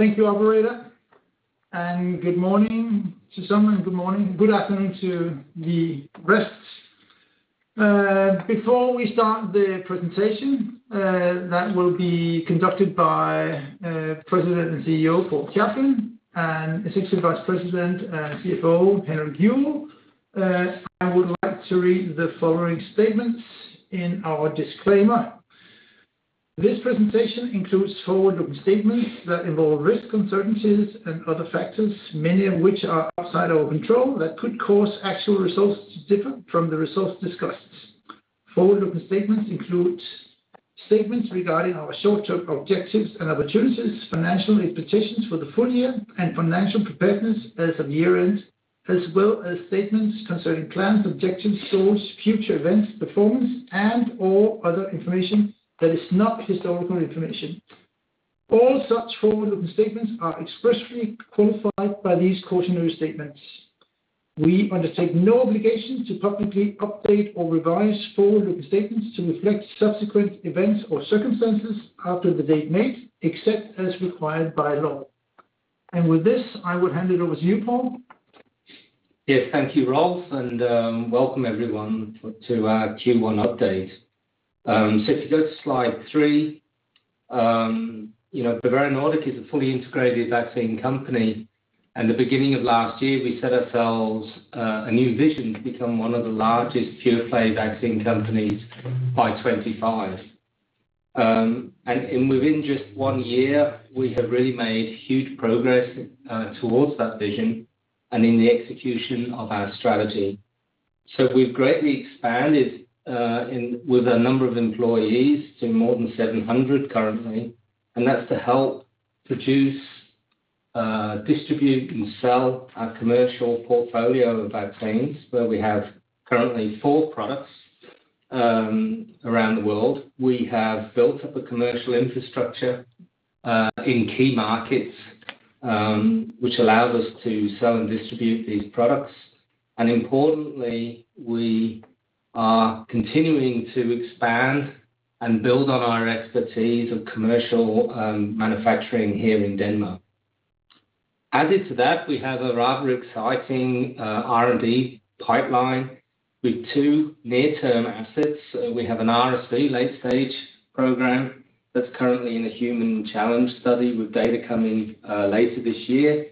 Thank you, operator, and good morning to some, and good afternoon to the rest. Before we start the presentation that will be conducted by President and CEO Paul Chaplin and Executive Vice President and CFO Henrik Juuel, I would like to read the following statements in our disclaimer. This presentation includes forward-looking statements that involve risks, uncertainties, and other factors, many of which are outside our control, that could cause actual results to differ from the results discussed. Forward-looking statements include statements regarding our short-term objectives and opportunities, financial expectations for the full year, and financial preparedness as of year-end, as well as statements concerning plans, objectives, source, future events, performance, and/or other information that is not historical information. All such forward-looking statements are expressly qualified by these cautionary statements. We undertake no obligation to publicly update or revise forward-looking statements to reflect subsequent events or circumstances after the date made, except as required by law. With this, I will hand it over to you, Paul. Yes. Thank you, Rolf, welcome everyone to our Q1 update. If you go to Slide 3, Bavarian Nordic is a fully integrated vaccine company, and at the beginning of last year, we set ourselves a new vision to become one of the largest pure-play vaccine companies by 2025. Within just one year, we have really made huge progress towards that vision and in the execution of our strategy. We've greatly expanded with a number of employees to more than 700 currently, and that's to help produce, distribute, and sell our commercial portfolio of vaccines, where we have currently four products around the world. We have built up a commercial infrastructure in key markets, which allows us to sell and distribute these products. Importantly, we are continuing to expand and build on our expertise of commercial manufacturing here in Denmark. Added to that, we have a rather exciting R&D pipeline with two near-term assets. We have an RSV late-stage program that's currently in a human challenge study with data coming later this year.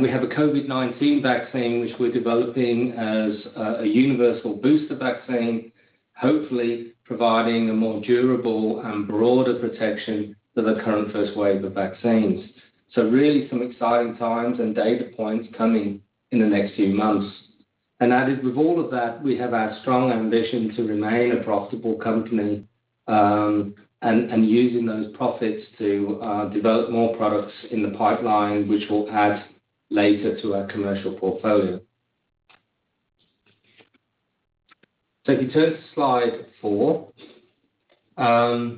We have a COVID-19 vaccine which we're developing as a universal booster vaccine, hopefully providing a more durable and broader protection than the current first wave of vaccines. Really some exciting times and data points coming in the next few months. Added with all of that, we have our strong ambition to remain a profitable company, and using those profits to develop more products in the pipeline, which we'll add later to our commercial portfolio. If you turn to Slide 4, as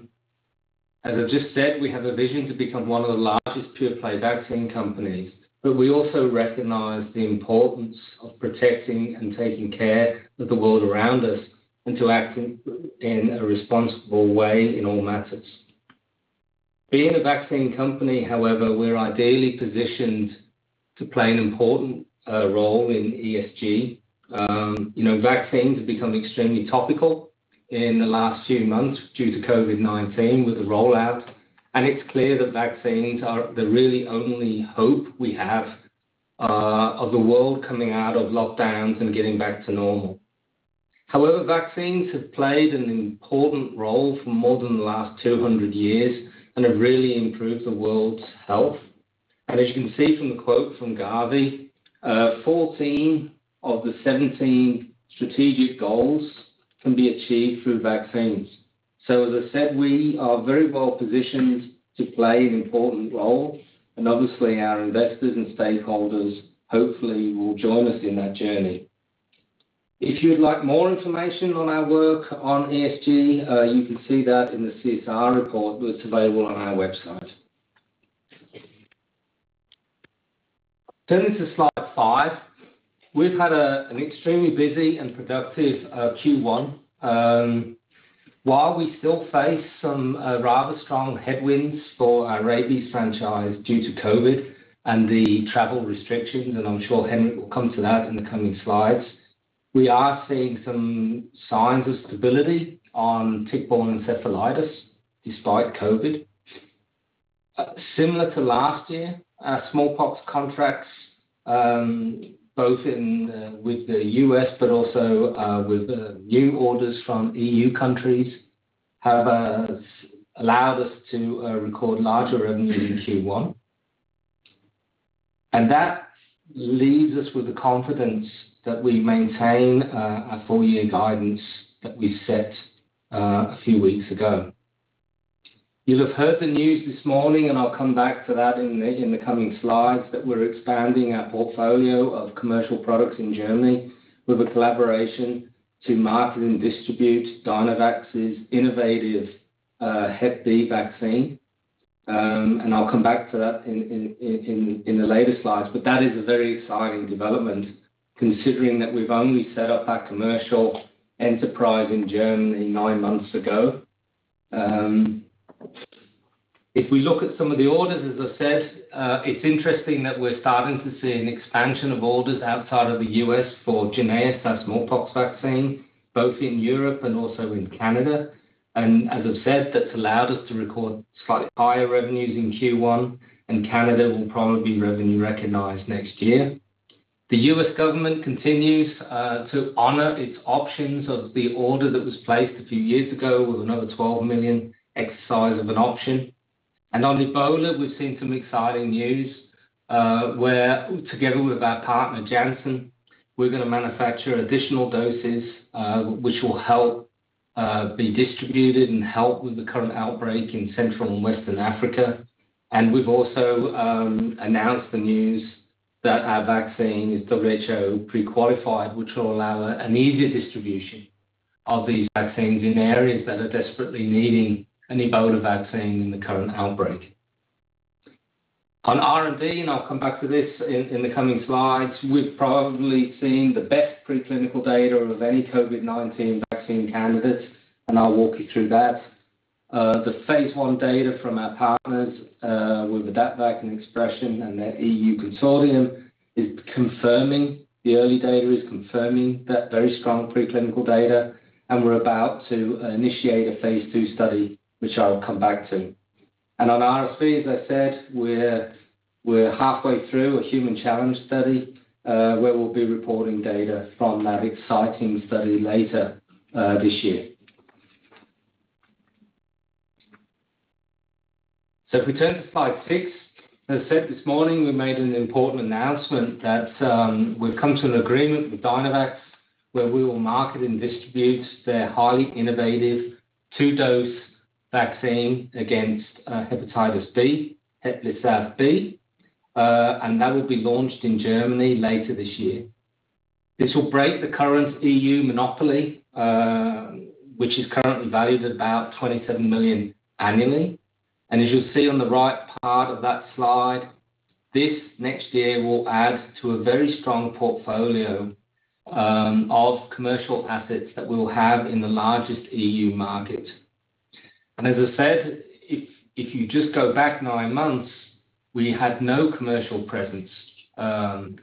I've just said, we have a vision to become one of the largest pure-play vaccine companies, but we also recognize the importance of protecting and taking care of the world around us, and to act in a responsible way in all matters. Being a vaccine company, however, we are ideally positioned to play an important role in ESG. Vaccines have become extremely topical in the last few months due to COVID-19 with the rollout, and it's clear that vaccines are the really only hope we have of the world coming out of lockdowns and getting back to normal. However, vaccines have played an important role for more than the last 200 years and have really improved the world's health. As you can see from the quote from Gavi, 14 of the 17 strategic goals can be achieved through vaccines. As I said, we are very well-positioned to play an important role, and obviously, our investors and stakeholders hopefully will join us in that journey. If you'd like more information on our work on ESG, you can see that in the CSR report that's available on our website. Turning to Slide 5. We've had an extremely busy and productive Q1. While we still face some rather strong headwinds for our rabies franchise due to COVID and the travel restrictions, I'm sure Henrik will come to that in the coming slides, we are seeing some signs of stability on tick-borne encephalitis despite COVID. Similar to last year, our smallpox contracts, both with the U.S. but also with new orders from E.U. countries, have allowed us to record larger revenues in Q1. That leaves us with the confidence that we maintain our full-year guidance that we set a few weeks ago. You'll have heard the news this morning, and I'll come back to that in the coming slides, that we're expanding our portfolio of commercial products in Germany with a collaboration to market and distribute Dynavax's innovative Hep B vaccine. I'll come back to that in the later slides, but that is a very exciting development, considering that we've only set up our commercial enterprise in Germany nine months ago. If we look at some of the orders, as I said, it's interesting that we're starting to see an expansion of orders outside of the U.S. for JYNNEOS, that's smallpox vaccine, both in Europe and also in Canada. As I've said, that's allowed us to record slightly higher revenues in Q1, and Canada will probably be revenue recognized next year. The U.S. government continues to honor its options of the order that was placed a few years ago with another $12 million exercise of an option. On Ebola, we've seen some exciting news, where together with our partner, Janssen, we're going to manufacture additional doses, which will help be distributed and help with the current outbreak in Central and Western Africa. We've also announced the news that our vaccine is WHO pre-qualified, which will allow an easier distribution of these vaccines in areas that are desperately needing an Ebola vaccine in the current outbreak. On R&D, and I'll come back to this in the coming slides, we've probably seen the best preclinical data of any COVID-19 vaccine candidates, and I'll walk you through that. The phase I data from our partners, with AdaptVac and ExpreS2ion and their EU consortium, the early data is confirming that very strong preclinical data. We're about to initiate a phase II study, which I'll come back to. On RFPs, as I said, we're halfway through a human challenge study, where we'll be reporting data from that exciting study later this year. If we turn to Slide 6. As I said this morning, we made an important announcement that we've come to an agreement with Dynavax, where we will market and distribute their highly innovative two-dose vaccine against hepatitis B, HEPLISAV-B. That will be launched in Germany later this year. This will break the current E.U. monopoly, which is currently valued about 27 million annually. As you'll see on the right part of that slide, this next year will add to a very strong portfolio of commercial assets that we'll have in the largest E.U. market. As I said, if you just go back nine months, we had no commercial presence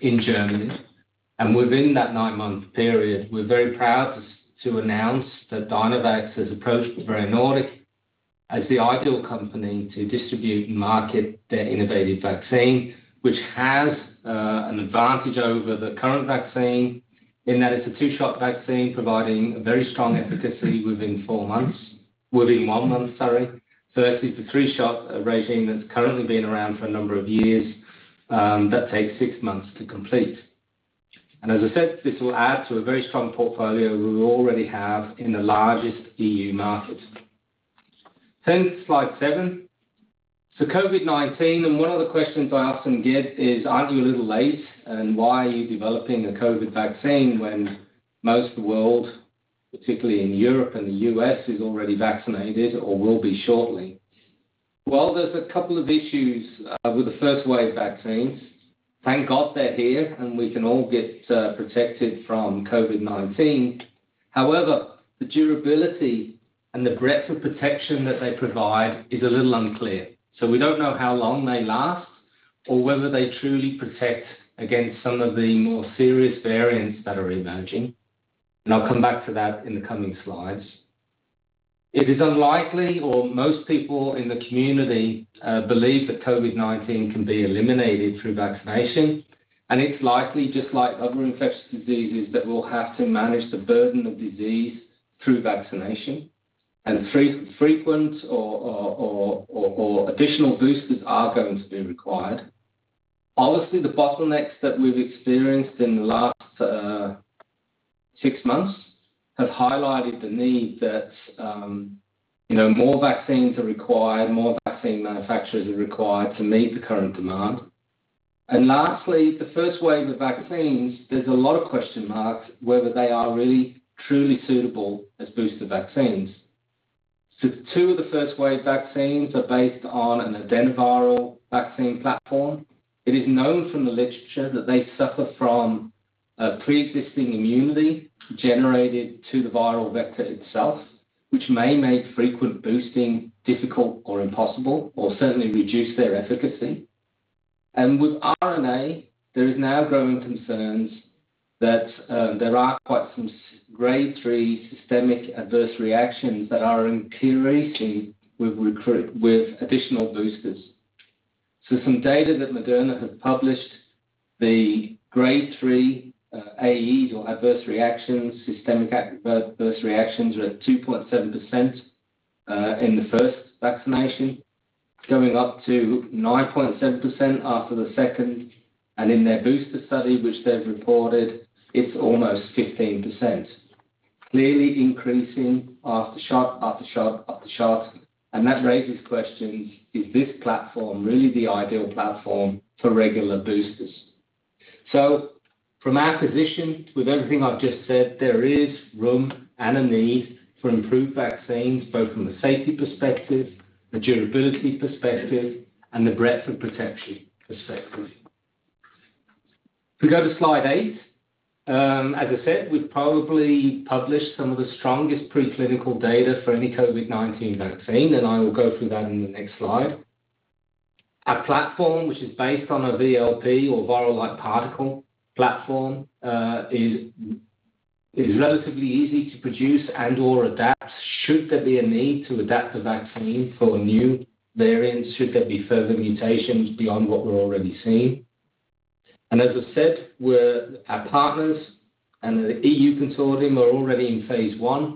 in Germany. Within that nine-month period, we're very proud to announce that Dynavax has approached Bavarian Nordic as the ideal company to distribute and market their innovative vaccine, which has an advantage over the current vaccine in that it's a two-shot vaccine, providing a very strong efficacy within four months. Within one month, sorry, versus the three-shot regime that's currently been around for a number of years, that takes six months to complete. As I said, this will add to a very strong portfolio we already have in the largest E.U. market. Slide 7. COVID-19, and one of the questions I often get is, aren't you a little late? Why are you developing a COVID vaccine when most of the world, particularly in Europe and the U.S., is already vaccinated or will be shortly? There's a couple of issues with the first-wave vaccines. Thank God they're here, and we can all get protected from COVID-19. The durability and the breadth of protection that they provide is a little unclear. We don't know how long they last or whether they truly protect against some of the more serious variants that are emerging. I'll come back to that in the coming slides. It is unlikely, or most people in the community believe that COVID-19 can be eliminated through vaccination, and it's likely, just like other infectious diseases, that we'll have to manage the burden of disease through vaccination, and frequent or additional boosters are going to be required. Obviously, the bottlenecks that we've experienced in the last six months have highlighted the need that more vaccines are required, more vaccine manufacturers are required to meet the current demand. Lastly, the first wave of vaccines, there's a lot of question marks whether they are really truly suitable as booster vaccines. Two of the first-wave vaccines are based on an adenoviral vaccine platform. It is known from the literature that they suffer from a pre-existing immunity generated to the viral vector itself, which may make frequent boosting difficult or impossible, or certainly reduce their efficacy. With RNA, there is now growing concerns that there are quite some Grade 3 systemic adverse reactions that are increasing with additional boosters. Some data that Moderna have published, the Grade 3 AEs or adverse reactions, systemic adverse reactions, were at 2.7% in the first vaccination, going up to 9.7% after the second. In their booster study, which they've reported, it's almost 15%. Clearly increasing after shot, after shot, after shot. That raises questions, is this platform really the ideal platform for regular boosters? From our position, with everything I've just said, there is room and a need for improved vaccines, both from a safety perspective, a durability perspective, and a breadth of protection perspective. If we go to Slide 8, as I said, we've probably published some of the strongest preclinical data for any COVID-19 vaccine, and I will go through that in the next slide. Our platform, which is based on a VLP or viral-like particle platform, is relatively easy to produce and/or adapt should there be a need to adapt the vaccine for new variants, should there be further mutations beyond what we're already seeing. As I said, our partners and the E.U. consortium are already in phase I,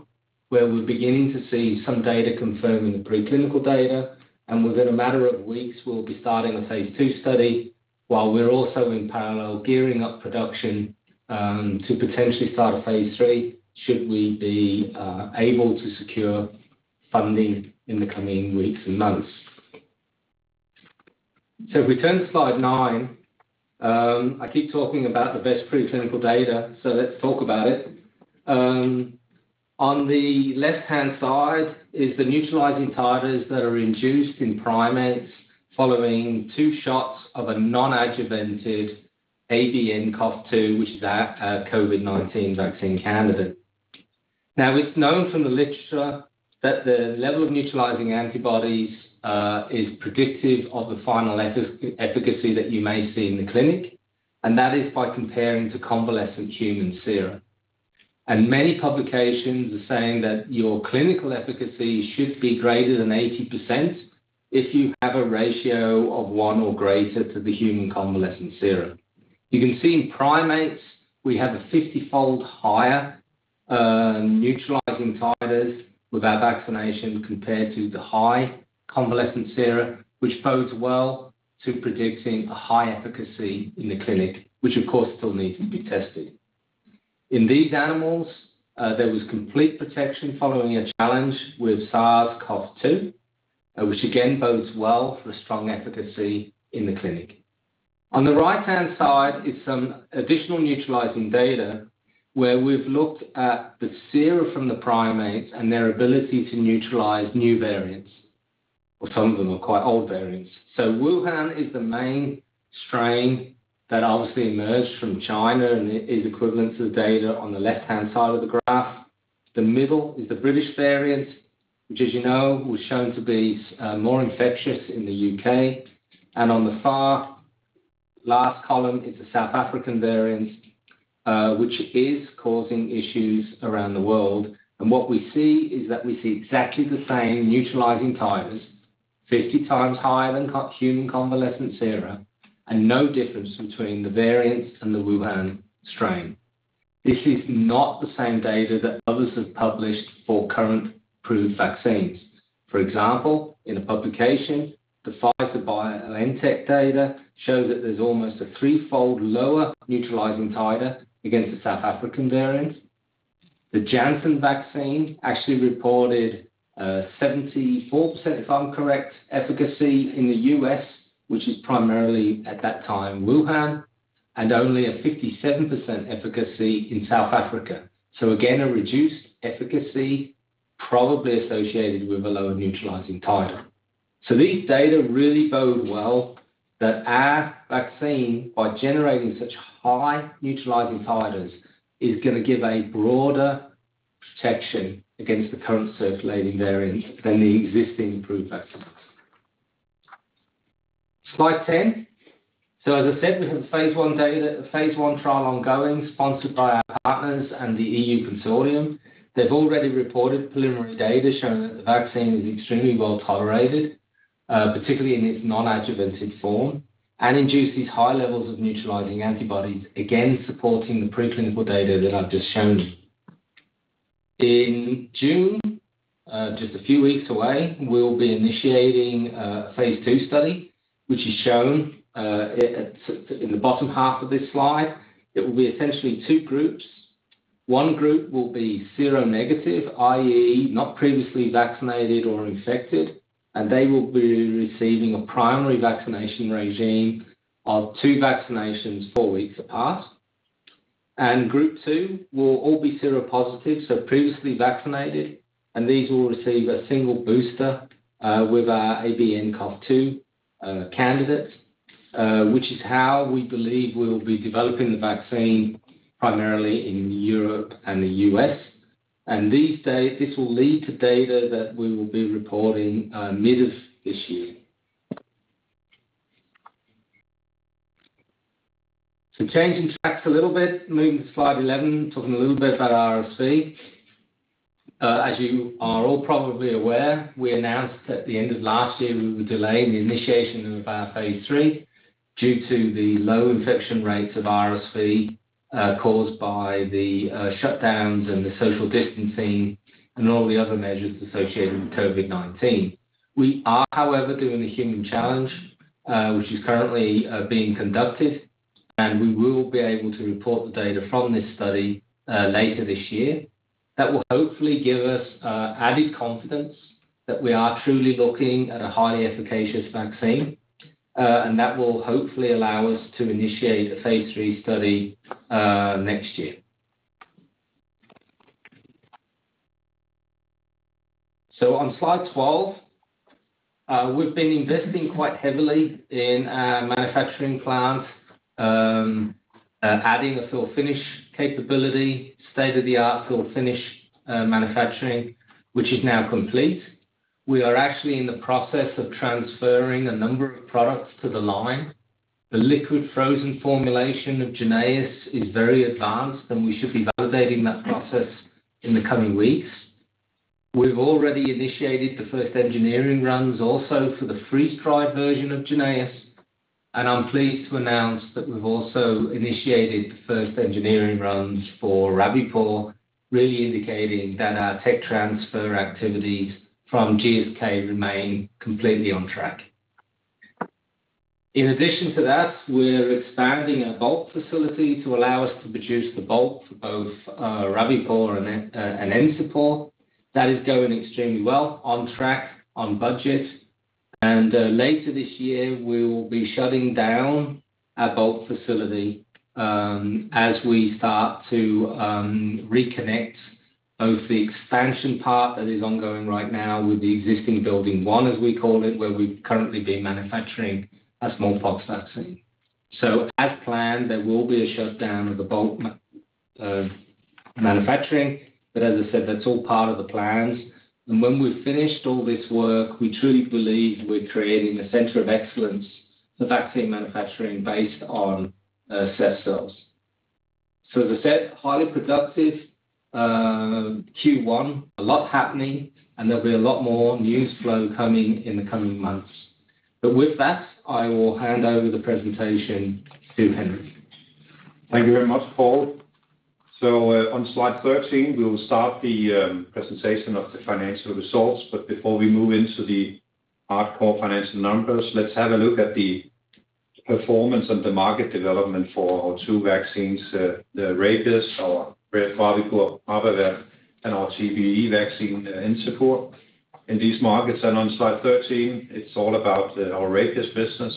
where we're beginning to see some data confirming the preclinical data. Within a matter of weeks, we'll be starting a phase II study, while we're also in parallel gearing up production to potentially start a phase III should we be able to secure funding in the coming weeks and months. If we turn to Slide 9, I keep talking about the best preclinical data, so let's talk about it. On the left-hand side is the neutralizing titers that are induced in primates following two shots of a non-adjuvanted ABNCoV2, which is our COVID-19 vaccine candidate. It's known from the literature that the level of neutralizing antibodies is predictive of the final efficacy that you may see in the clinic, and that is by comparing to convalescent human serum. Many publications are saying that your clinical efficacy should be greater than 80% if you have a ratio of one or greater to the human convalescent serum. You can see in primates, we have a 50-fold higher neutralizing titers with our vaccination compared to the high convalescent sera, which bodes well to predicting a high efficacy in the clinic, which of course, still needs to be tested. In these animals, there was complete protection following a challenge with SARS-CoV-2, which again bodes well for strong efficacy in the clinic. On the right-hand side is some additional neutralizing data where we've looked at the sera from the primates and their ability to neutralize new variants. Well, some of them are quite old variants. Wuhan is the main strain that obviously emerged from China and is equivalent to the data on the left-hand side of the graph. The middle is the British variant, which, as you know, was shown to be more infectious in the U.K. On the far last column is the South African variant, which is causing issues around the world. What we see is that we see exactly the same neutralizing titers, 50x higher than human convalescent sera, and no difference between the variants and the Wuhan strain. This is not the same data that others have published for current approved vaccines. For example, in a publication, the Pfizer-BioNTech data show that there's almost a threefold lower neutralizing titer against the South African variant. The Janssen vaccine actually reported 74%, if I'm correct, efficacy in the U.S., which is primarily, at that time, Wuhan, and only a 57% efficacy in South Africa. Again, a reduced efficacy probably associated with a lower neutralizing titer. These data really bode well that our vaccine, by generating such high neutralizing titers, is going to give a broader protection against the current circulating variants than the existing approved vaccines. Slide 10. As I said, we have phase I trial ongoing, sponsored by our partners and the E.U. consortium. They've already reported preliminary data showing that the vaccine is extremely well-tolerated, particularly in its non-adjuvanted form, and induces high levels of neutralizing antibodies, again, supporting the preclinical data that I've just shown you. In June, just a few weeks away, we'll be initiating a phase II study, which is shown in the bottom half of this slide. It will be essentially two groups. One group will be seronegative, i.e., not previously vaccinated or infected, and they will be receiving a primary vaccination regime of two vaccinations, four weeks apart. Group two will all be seropositive, so previously vaccinated, and these will receive a single booster with our ABNCoV2 candidate, which is how we believe we'll be developing the vaccine primarily in Europe and the U.S. This will lead to data that we will be reporting mid of this year. Changing tracks a little bit, moving to Slide 11, talking a little bit about RSV. As you are all probably aware, we announced at the end of last year, we were delaying the initiation of our phase III due to the low infection rates of RSV caused by the shutdowns and the social distancing and all the other measures associated with COVID-19. We are, however, doing a human challenge, which is currently being conducted, and we will be able to report the data from this study later this year. That will hopefully give us added confidence that we are truly looking at a highly efficacious vaccine. That will hopefully allow us to initiate a phase III study next year. On Slide 12, we've been investing quite heavily in our manufacturing plant, adding a fill-finish capability, state-of-the-art fill-finish manufacturing, which is now complete. We are actually in the process of transferring a number of products to the line. The liquid-frozen formulation of JYNNEOS is very advanced, and we should be validating that process in the coming weeks. We've already initiated the first engineering runs also for the freeze-dried version of JYNNEOS, and I'm pleased to announce that we've also initiated the first engineering runs for Rabipur, really indicating that our tech transfer activities from GSK remain completely on track. In addition to that, we're expanding our bulk facility to allow us to produce the bulk for both Rabipur and IMVAMUNE. That is going extremely well, on track, on budget. Later this year, we will be shutting down our bulk facility as we start to reconnect both the expansion part that is ongoing right now with the existing building one as we call it, where we've currently been manufacturing our smallpox vaccine. As planned, there will be a shutdown of the bulk manufacturing, but as I said, that's all part of the plans. When we've finished all this work, we truly believe we're creating a center of excellence for vaccine manufacturing based on CEF cells. As I said, highly productive Q1. A lot happening, and there'll be a lot more news flow coming in the coming months. With that, I will hand over the presentation to Henrik. Thank you very much, Paul. On Slide 13, we will start the presentation of the financial results. Before we move into the hardcore financial numbers, let's have a look at the performance and the market development for our two vaccines, the rabies, our Rabipur product, and our TBE vaccine, Encepur, in these markets. On Slide 13, it's all about our rabies business.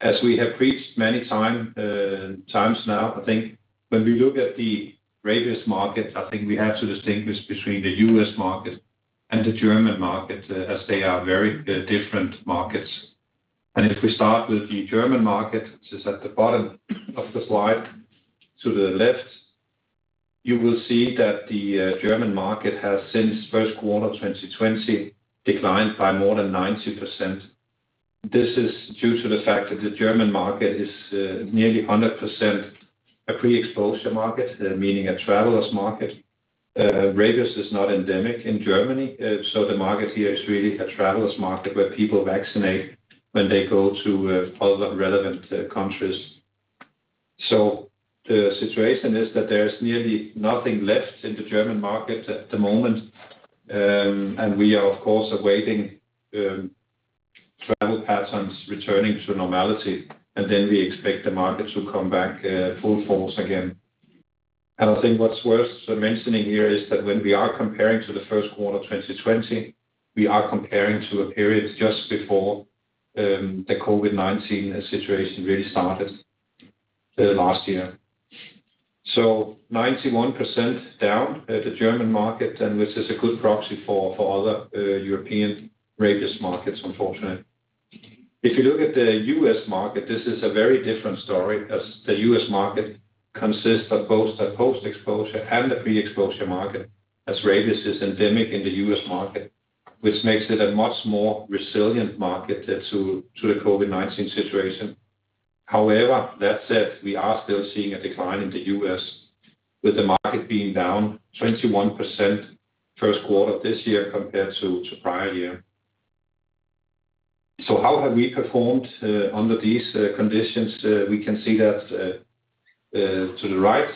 As we have preached many times now, I think when we look at the rabies market, I think we have to distinguish between the U.S. market and the German market, as they are very different markets. If we start with the German market, which is at the bottom of the slide to the left, you will see that the German market has since first quarter 2020 declined by more than 90%. This is due to the fact that the German market is nearly 100% a pre-exposure market, meaning a traveler's market. Rabies is not endemic in Germany, the market here is really a traveler's market where people vaccinate when they go to relevant countries. The situation is that there's nearly nothing left in the German market at the moment. We are, of course, awaiting travel patterns returning to normality, and then we expect the market to come back full force again. I think what's worth mentioning here is that when we are comparing to the first quarter 2020, we are comparing to a period just before the COVID-19 situation really started last year. 91% down at the German market, and which is a good proxy for other European rabies markets, unfortunately. If you look at the U.S. market, this is a very different story because the U.S. market consists of both a post-exposure and a pre-exposure market, as rabies is endemic in the U.S. market, which makes it a much more resilient market to the COVID-19 situation. However, that said, we are still seeing a decline in the U.S., with the market being down 21% first quarter this year compared to prior year. How have we performed under these conditions? We can see that to the right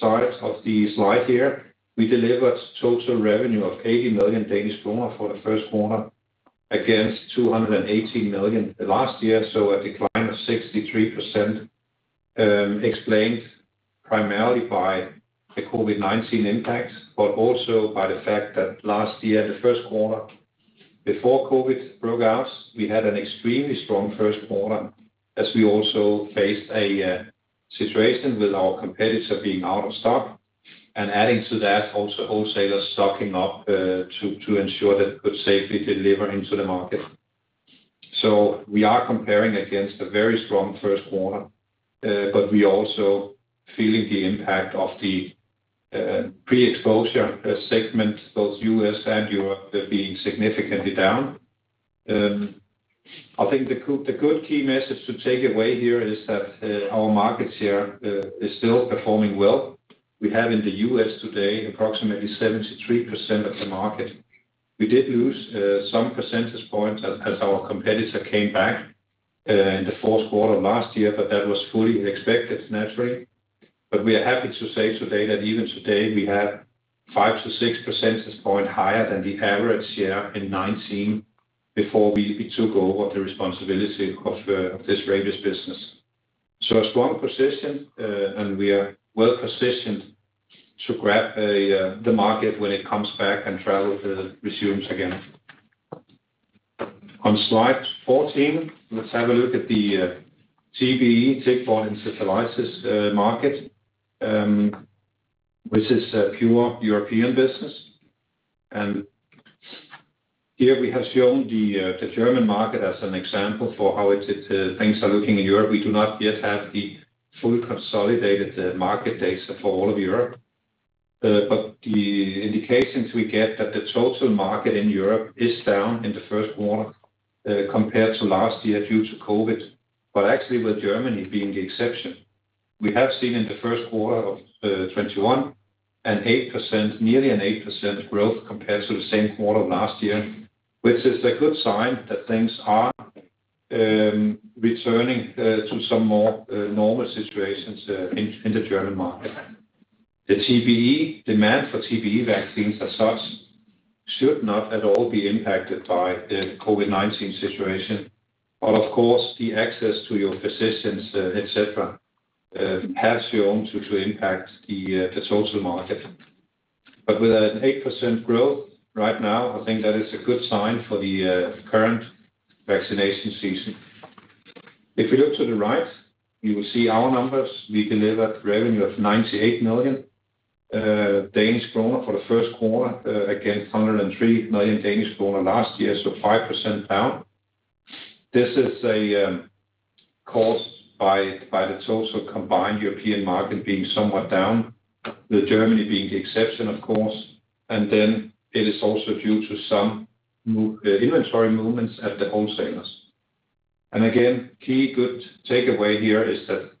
side of the slide here, we delivered total revenue of 80 million Danish kroner for the first quarter against 218 million last year. A decline of 63%, explained primarily by the COVID-19 impact, but also by the fact that last year, the first quarter before COVID broke out, we had an extremely strong first quarter as we also faced a situation with our competitor being out of stock. Adding to that, also wholesalers stocking up to ensure that we could safely deliver into the market. We are comparing against a very strong first quarter, but we also feeling the impact of the pre-exposure segment, both U.S. and Europe, being significantly down. I think the good key message to take away here is that our market share is still performing well. We have in the U.S. today approximately 73% of the market. We did lose some percentage points as our competitor came back in the fourth quarter last year, but that was fully expected naturally. We are happy to say today that even today we have 5%-6% higher than the average share in 2019 before we took over the responsibility, of course, for this Rabies business. A strong position, and we are well-positioned to grab the market when it comes back and travel resumes again. On Slide 14, let's have a look at the TBE, tick-borne encephalitis market, which is a pure European business. Here we have shown the German market as an example for how things are looking in Europe. We do not yet have the full consolidated market data for all of Europe. The indications we get that the total market in Europe is down in the first quarter compared to last year due to COVID, but actually with Germany being the exception. We have seen in the first quarter of 2021 an 8%, nearly an 8% growth compared to the same quarter last year, which is a good sign that things are returning to some more normal situations in the German market. The demand for TBE vaccines as such should not at all be impacted by the COVID-19 situation. Of course, the access to your physicians, et cetera, has shown to impact the total market. With an 8% growth right now, I think that is a good sign for the current vaccination season. If you look to the right, you will see our numbers. We delivered revenue of 98 million Danish kroner for the first quarter against 103 million Danish kroner last year, so 5% down. This is caused by the total combined European market being somewhat down, with Germany being the exception, of course. Then it is also due to some inventory movements at the wholesalers. Again, key good takeaway here is that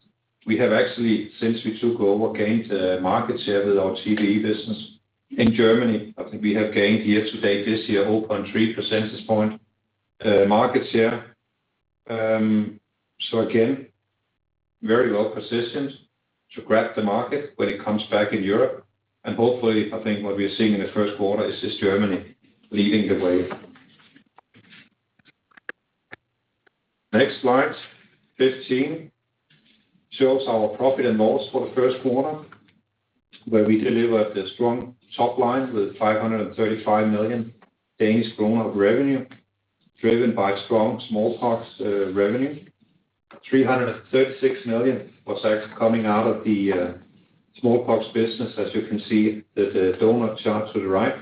we have actually, since we took over, gained market share with our TBE business. In Germany, I think we have gained year-to-date this year 0.3 percentage point market share. Again, very well-positioned to grab the market when it comes back in Europe. Hopefully, I think what we are seeing in the first quarter is just Germany leading the way. Next Slide 15 shows our profit and loss for the first quarter, where we delivered a strong top line with 535 million krona of revenue, driven by strong smallpox revenue. 336 million was actually coming out of the smallpox business, as you can see the donut chart to the right.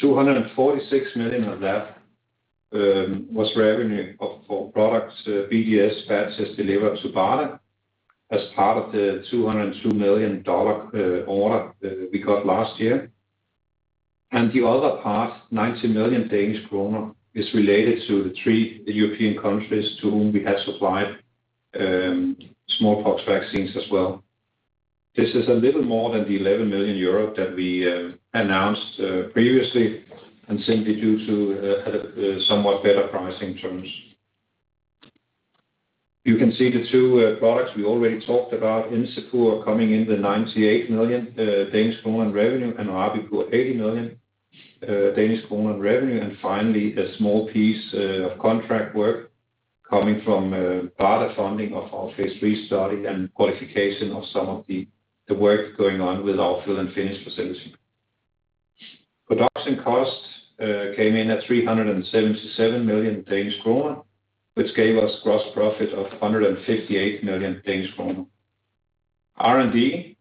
246 million of that was revenue for products BDS batches delivered to BARDA as part of the $202 million order that we got last year. The other part, 90 million krona, is related to the three European countries to whom we have supplied smallpox vaccines as well. This is a little more than the 11 million euro that we announced previously and simply due to somewhat better pricing terms. You can see the two products we already talked about, Encepur coming in the 98 million krona revenue, and Rabipur, 80 million krona revenue. Finally, a small piece of contract work coming from BARDA funding of our phase III study and qualification of some of the work going on with our fill-finish facility. Production costs came in at 377 million krona, which gave us gross profit of 158 million krona. R&D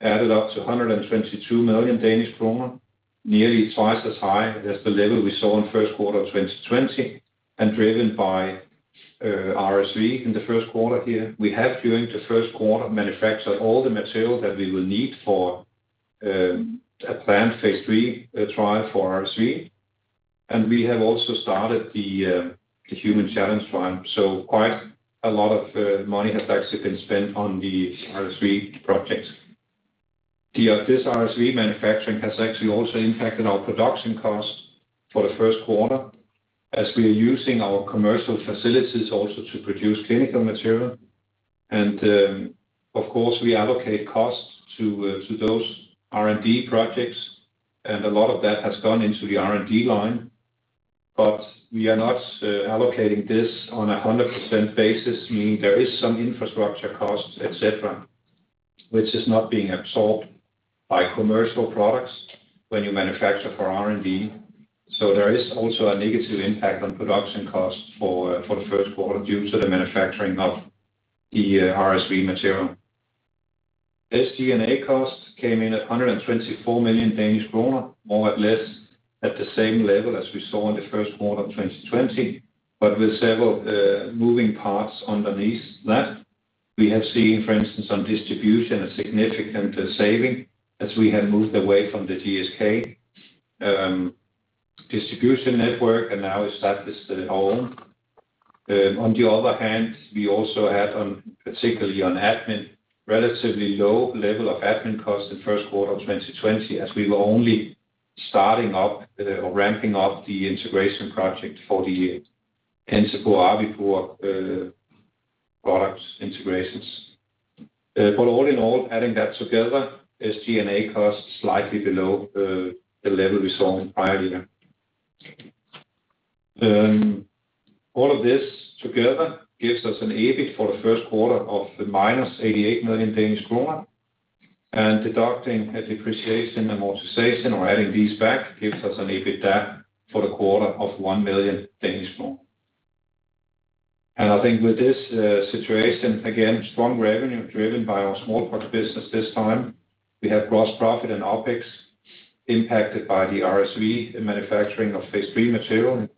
added up to 122 million krona, nearly twice as high as the level we saw in first quarter of 2020, driven by RSV in the first quarter here. We have, during the first quarter, manufactured all the material that we will need for a planned phase III trial for RSV. We have also started the human challenge trial. Quite a lot of money has actually been spent on the RSV projects. This RSV manufacturing has actually also impacted our production cost for the first quarter as we are using our commercial facilities also to produce clinical material. Of course, we allocate costs to those R&D projects, and a lot of that has gone into the R&D line. We are not allocating this on 100% basis, meaning there is some infrastructure costs, et cetera, which is not being absorbed by commercial products when you manufacture for R&D. There is also a negative impact on production costs for the first quarter due to the manufacturing of the RSV material. SG&A costs came in at 124 million krona, more or less at the same level as we saw in the first quarter of 2020, but with several moving parts underneath that. We have seen, for instance, on distribution, a significant saving as we have moved away from the GSK distribution network and now established it at home. On the other hand, we also had, particularly on admin, relatively low level of admin costs in first quarter of 2020 as we were only starting up or ramping up the integration project for the Encepur, Rabipur products integrations. All in all, adding that together, SG&A costs slightly below the level we saw in prior year. All of this together gives us an EBIT for the first quarter of -88 million krona. Deducting the depreciation and amortization or adding these back gives us an EBITDA for the quarter of 1 billion krona. I think with this situation, again, strong revenue driven by our smallpox business this time. We had gross profit and OpEx impacted by the RSV and manufacturing of phase III material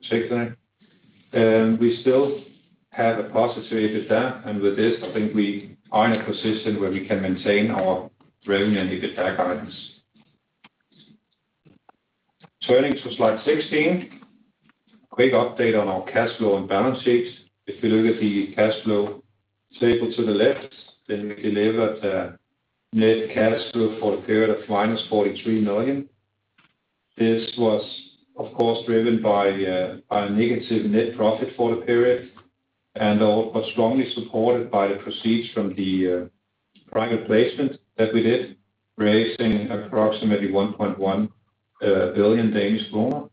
in particular. We still had a positive EBITDA. With this, I think we are in a position where we can maintain our revenue and EBITDA guidance. Turning to Slide 16. Quick update on our cash flow and balance sheet. If you look at the cash flow table to the left, we delivered net cash flow for a period of -43 million. This was, of course, driven by a negative net profit for the period and/or was strongly supported by the proceeds from the private placement that we did, raising approximately 1.1 billion krona.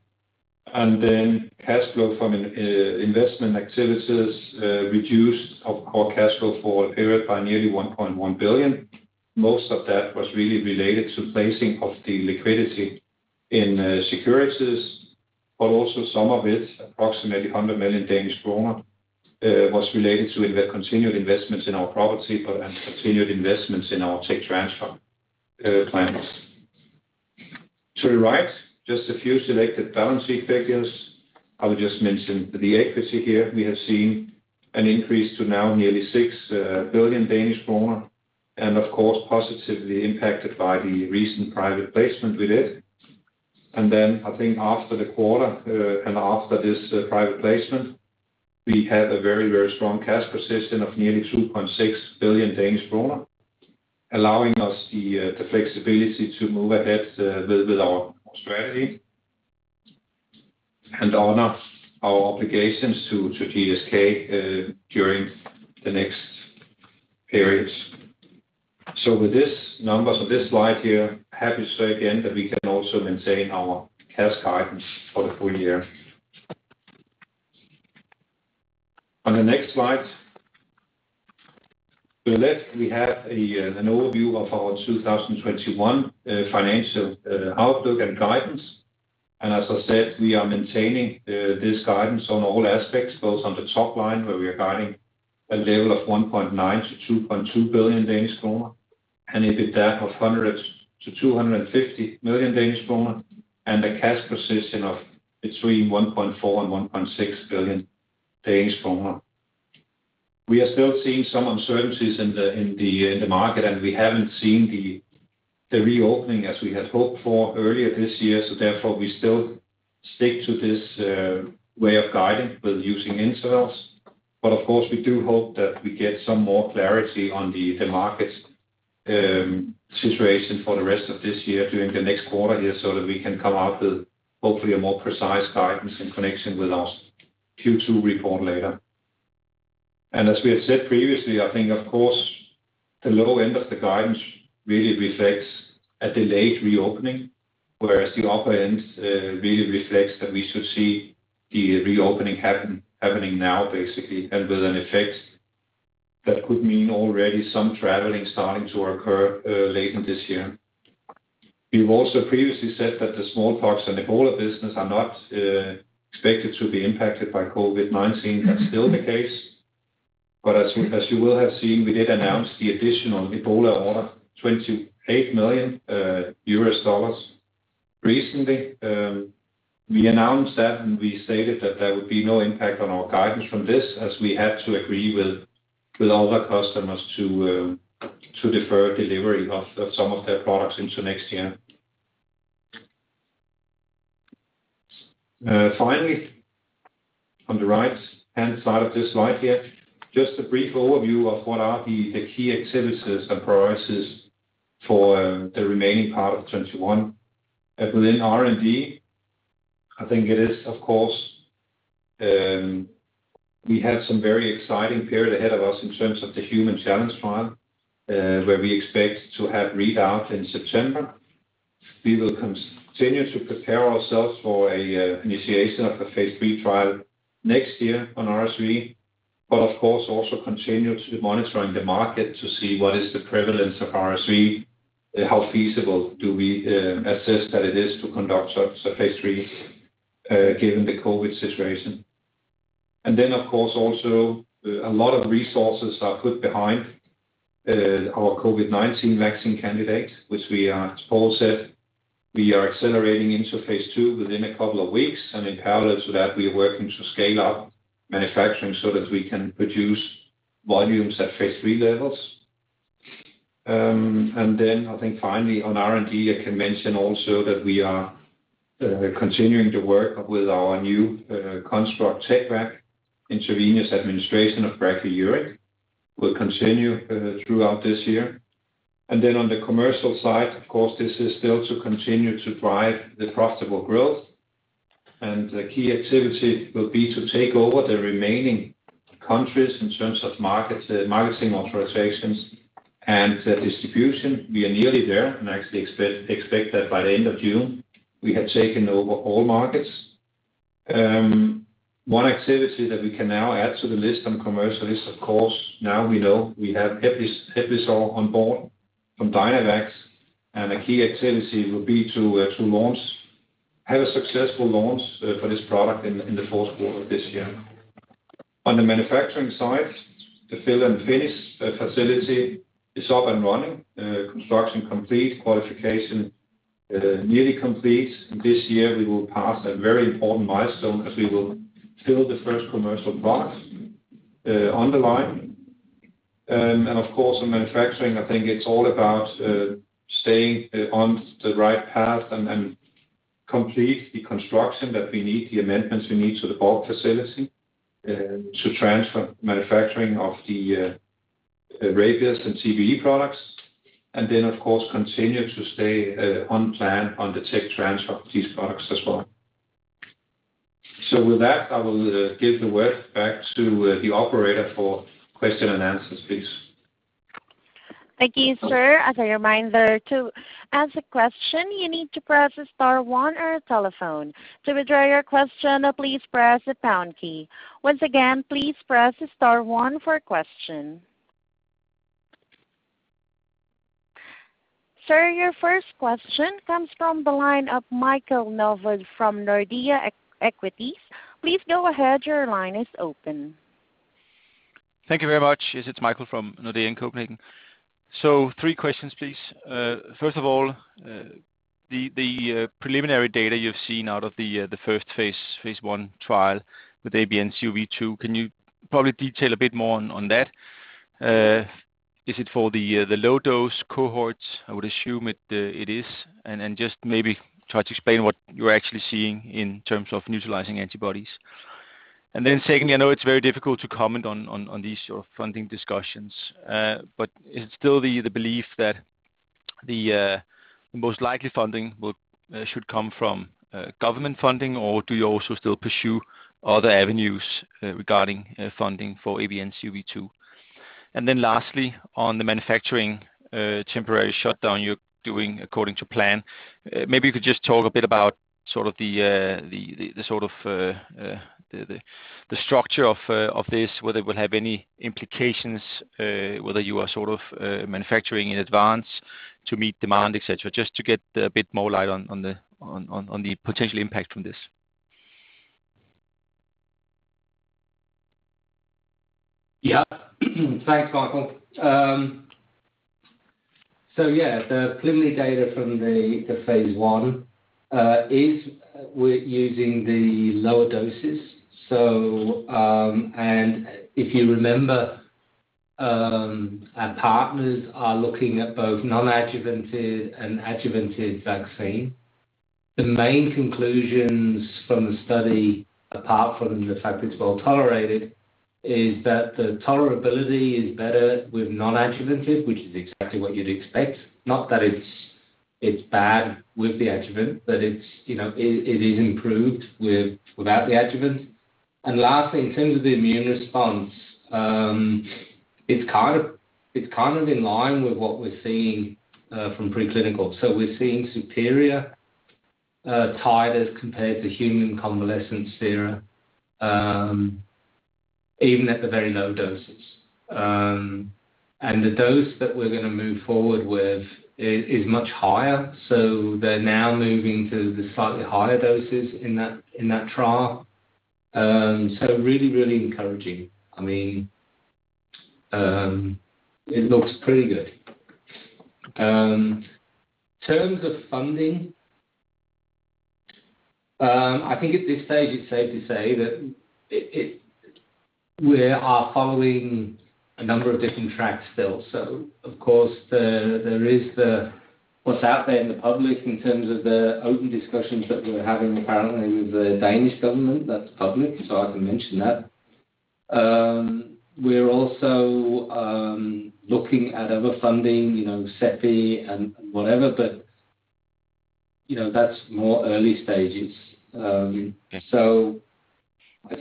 Cash flow from investment activities reduced, of course, cash flow for a period by nearly 1.1 billion. Most of that was really related to placing of the liquidity in securities, but also some of it, approximately 100 million krona, was related to the continued investments in our property and continued investments in our tech transfer plans. To the right, just a few selected balance sheet figures. I will just mention the equity here. We have seen an increase to now nearly 6 billion krona, and of course, positively impacted by the recent private placement we did. I think after the quarter and after this private placement, we had a very, very strong cash position of nearly 2.6 billion krona, allowing us the flexibility to move ahead with our strategy and honor our obligations to GSK during the next periods. With this numbers on this slide here, happy to say again that we can also maintain our cash guidance for the full year. On the next slide, to the left, we have an overview of our 2021 financial outlook and guidance. As I said, we are maintaining this guidance on all aspects, both on the top line, where we are guiding a level of 1.9 billion krona-DKK 2.2 billion krona, and EBITDA of 100 million krona-DKK 250 million krona, and the cash position of between 1.4 billion krona and 1.6 billion krona. We are still seeing some uncertainties in the market, and we haven't seen the reopening as we had hoped for earlier this year. Therefore, we still stick to this way of guiding with using intervals. Of course, we do hope that we get some more clarity on the market situation for the rest of this year during the next quarter here, so that we can come out with, hopefully, a more precise guidance in connection with our Q2 report later. As we have said previously, I think, of course, the low end of the guidance really reflects a delayed reopening, whereas the upper end really reflects that we should see the reopening happening now, basically, with an effect that could mean already some traveling starting to occur later this year. We've also previously said that the smallpox and Ebola business are not expected to be impacted by COVID-19. That's still the case. As you will have seen, we did announce the additional Ebola order, $28 million recently. We announced that, and we stated that there would be no impact on our guidance from this, as we had to agree with all the customers to defer delivery of some of their products into next year. Finally, on the right-hand side of this slide here, just a brief overview of what are the key activities and priorities for the remaining part of 2021. Within R&D, of course, we have some very exciting period ahead of us in terms of the human challenge trial, where we expect to have read out in September. We will continue to prepare ourselves for an initiation of a phase III trial next year on RSV, of course, also continue to be monitoring the market to see what is the prevalence of RSV, how feasible do we assess that it is to conduct a phase III given the COVID-19 situation. Of course, also a lot of resources are put behind our COVID-19 vaccine candidate, which we are, as Paul said, accelerating into phase II within a couple of weeks. In parallel to that, we are working to scale up manufacturing so that we can produce volumes at phase III levels. I think finally on R&D, I can mention also that we are continuing to work with our new construct MVA-BN intravenous administration of Brachyury will continue throughout this year. On the commercial side, of course, this is still to continue to drive the profitable growth. The key activity will be to take over the remaining countries in terms of marketing authorizations and distribution. We are nearly there, and actually expect that by the end of June, we have taken over all markets. One activity that we can now add to the list on commercial is, of course, now we know we have HEPLISAV on board from Dynavax, and a key activity will be to have a successful launch for this product in the fourth quarter of this year. On the manufacturing side, the fill-finish facility is up and running. Construction complete, qualification nearly complete. This year, we will pass a very important milestone as we will fill the first commercial product on the line. Of course, on manufacturing, I think it's all about staying on the right path and complete the construction that we need, the amendments we need to the bulk facility to transfer manufacturing of the Rabies and TBE products. Then, of course, continue to stay on plan on the tech transfer of these products as well. With that, I will give the word back to the operator for question and answers, please. Thank you, sir. As a reminder, to ask a question, you need to press star one on your telephone. To withdraw your question, please press the pound key. Once again, please press star one for a question. Sir, your first question comes from the line of Michael Novod from Nordea Equities. Please go ahead, your line is open. Thank you very much. This is Michael from Nordea in Copenhagen. Three questions, please. First of all, the preliminary data you've seen out of the first phase I trial with ABNCoV2, can you probably detail a bit more on that? Is it for the low-dose cohorts? I would assume it is. Just maybe try to explain what you're actually seeing in terms of neutralizing antibodies. Secondly, I know it's very difficult to comment on these sort of funding discussions. Is it still the belief that the most likely funding should come from government funding, or do you also still pursue other avenues regarding funding for ABNCoV2? Lastly, on the manufacturing temporary shutdown you're doing according to plan, maybe if you could just talk a bit about the structure of this, whether it would have any implications, whether you are manufacturing in advance to meet demand, et cetera, just to get a bit more light on the potential impact from this? Thanks, Michael. The preliminary data from the phase I is we're using the lower doses. If you remember, our partners are looking at both non-adjuvanted and adjuvanted vaccine. The main conclusions from the study, apart from the fact it's well-tolerated, is that the tolerability is better with non-adjuvanted, which is exactly what you'd expect. Not that it's bad with the adjuvant, it is improved without the adjuvant. Lastly, in terms of the immune response, it's kind of in line with what we're seeing from preclinical. We're seeing superior titers compared to human convalescent sera, even at the very low doses. The dose that we're going to move forward with is much higher. They're now moving to the slightly higher doses in that trial. Really encouraging. It looks pretty good. Terms of funding, I think at this stage it's safe to say that we are following a number of different tracks still. There is what's out there in the public in terms of the open discussions that we're having currently with the Danish government. That's public, so I can mention that. We're also looking at other funding, CEPI and whatever, but that's more early stages. I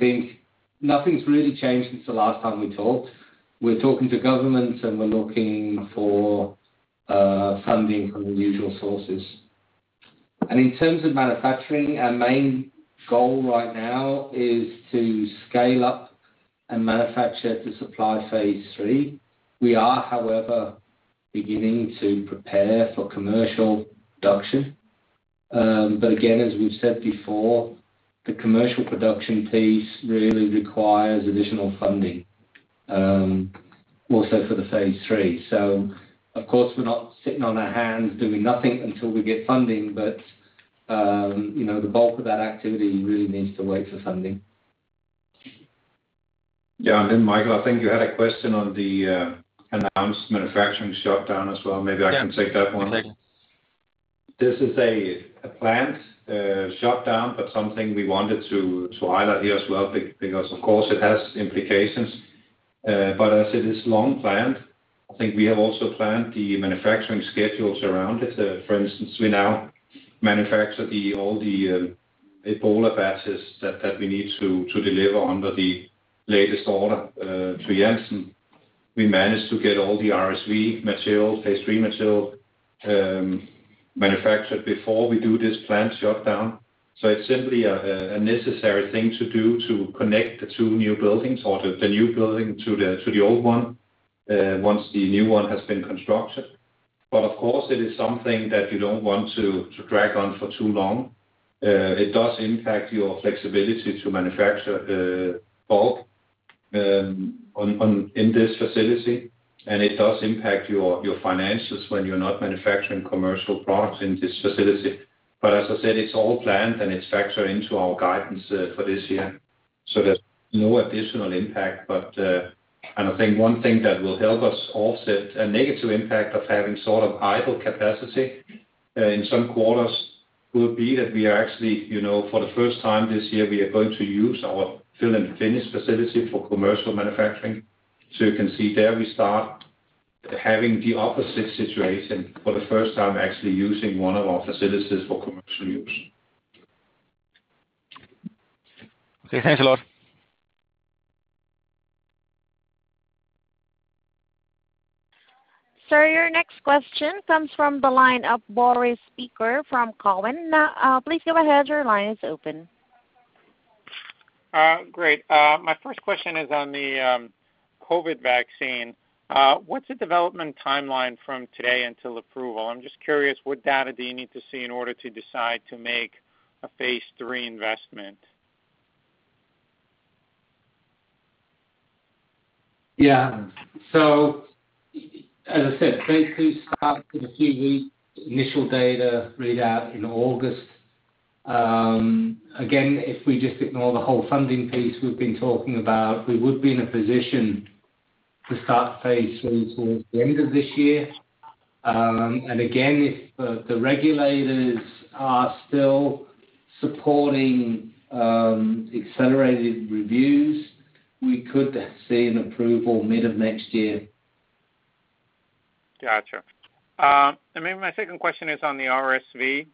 think nothing's really changed since the last time we talked. We're talking to governments, and we're looking for funding from the usual sources. In terms of manufacturing, our main goal right now is to scale up and manufacture to supply phase III. We are, however, beginning to prepare for commercial production. Again, as we've said before, the commercial production piece really requires additional funding, also for the phase III. Of course, we're not sitting on our hands doing nothing until we get funding, but the bulk of that activity really needs to wait for funding. Yeah. Michael, I think you had a question on the announced manufacturing shutdown as well. Maybe I can take that one. Yeah. This is a planned shutdown, something we wanted to highlight here as well, because of course it has implications. As it is long planned, I think we have also planned the manufacturing schedules around it. For instance, we now manufacture all the Ebola batches that we need to deliver under the latest order to Janssen. We managed to get all the RSV materials, phase III material, manufactured before we do this plant shutdown. It's simply a necessary thing to do to connect the two new buildings or the new building to the old one, once the new one has been constructed. Of course, it is something that you don't want to drag on for too long. It does impact your flexibility to manufacture bulk in this facility, and it does impact your finances when you're not manufacturing commercial products in this facility. As I said, it's all planned, and it's factored into our guidance for this year, so there's no additional impact. I think one thing that will help us offset a negative impact of having sort of idle capacity in some quarters will be that we are actually, for the first time this year, we are going to use our fill-finish facility for commercial manufacturing. You can see there, we start having the opposite situation. For the first time, actually using one of our facilities for commercial use. Okay, thanks a lot. Sir, your next question comes from the line of Boris Peaker from Cowen. Please go ahead. Great. My first question is on the COVID vaccine. What's the development timeline from today until approval? I'm just curious, what data do you need to see in order to decide to make a phase III investment? Yeah. As I said, phase II starts in a few weeks. Initial data readout in August. Again, if we just ignore the whole funding piece we've been talking about, we would be in a position to start phase III towards the end of this year. Again, if the regulators are still supporting accelerated reviews, we could see an approval mid of next year. Got you. Maybe my second question is on the RSV.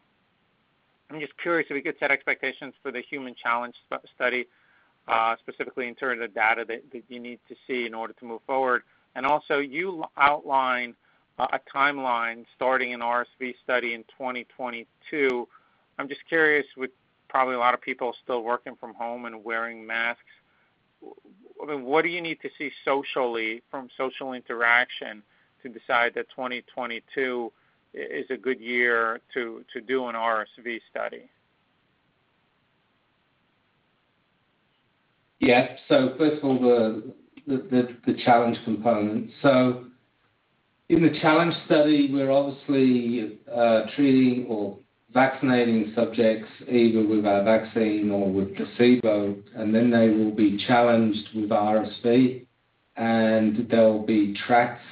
I'm just curious if we could set expectations for the human challenge study, specifically in terms of data that you need to see in order to move forward. Also, you outlined a timeline starting an RSV study in 2022. I'm just curious, with probably a lot of people still working from home and wearing masks, what do you need to see socially from social interaction to decide that 2022 is a good year to do an RSV study? Yeah. First of all, the challenge component. In the challenge study, we're obviously treating or vaccinating subjects either with our vaccine or with placebo, and then they will be challenged with RSV. They'll be tracked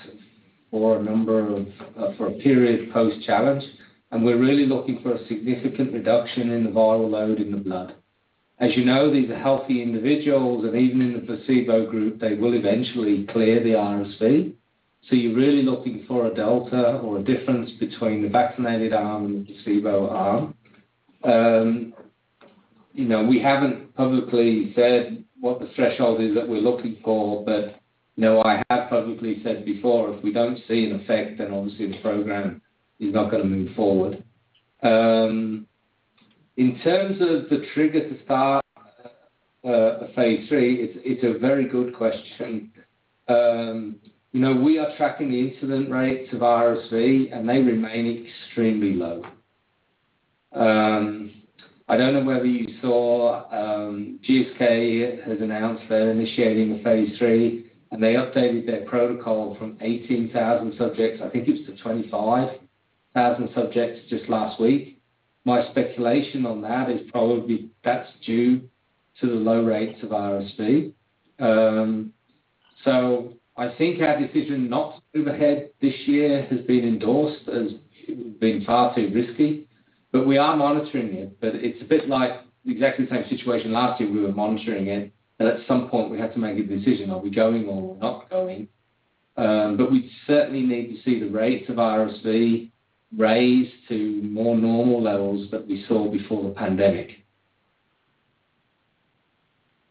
for a period post-challenge. We're really looking for a significant reduction in the viral load in the blood. As you know, these are healthy individuals, and even in the placebo group, they will eventually clear the RSV. You're really looking for a delta or a difference between the vaccinated arm and the placebo arm. We haven't publicly said what the threshold is that we're looking for, but I have publicly said before, if we don't see an effect, then obviously the program is not going to move forward. In terms of the trigger to start a phase III, it's a very good question. We are tracking the incident rates of RSV, and they remain extremely low. I don't know whether you saw, GSK has announced they're initiating a phase III, and they updated their protocol from 18,000 subjects, I think it was, to 25,000 subjects just last week. My speculation on that is probably that's due to the low rates of RSV. I think our decision not to move ahead this year has been endorsed as being far too risky, but we are monitoring it. It's a bit like the exactly same situation last year. We were monitoring it, and at some point, we had to make a decision, are we going or are we not going? We certainly need to see the rates of RSV raised to more normal levels that we saw before the pandemic.